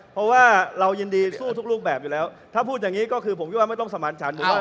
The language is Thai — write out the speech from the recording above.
เพราะว่าเรายินดีสู้ทุกลูกแบบอยู่แล้วถ้าพูดอย่างนี้ก็คือผมไม่ต้องสมารรชัน